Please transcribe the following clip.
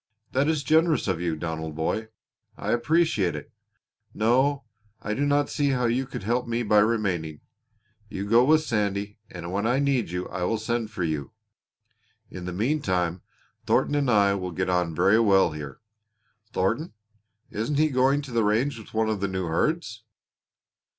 "That is generous of you, Donald boy. I appreciate it. No, I do not see how you could help me by remaining. You go with Sandy and when I need you I will send for you. In the meantime Thornton and I will get on very well here." "Thornton! Isn't he going to the range with one of the new herds?"